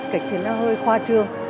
kịch thì nó hơi khoa trương